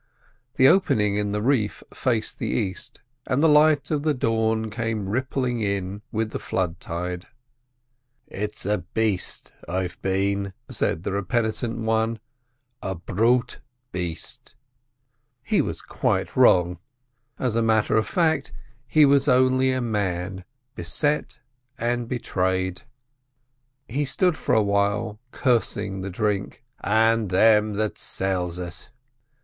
The opening in the reef faced the east, and the light of the dawn came rippling in with the flooding tide. "It's a baste I've been," said the repentant one—"a brute baste." He was quite wrong; as a matter of fact, he was only a man beset and betrayed. He stood for a while, cursing the drink, "and them that sells it."